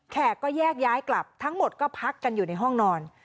แขกก็แยกย้ายกลับทั้งหมดก็พักกันอยู่ในห้องนอน